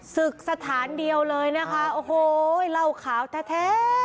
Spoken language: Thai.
ศึกสถานเดียวเลยนะคะโอ้โหเหล้าขาวแท้